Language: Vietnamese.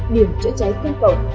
điểm cháy cháy cân cộng